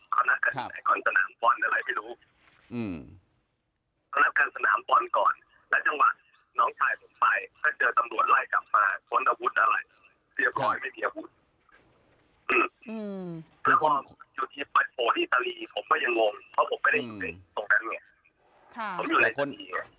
เค้านับการสนามป้อมก่อนมาจังหวัดน้องชายไป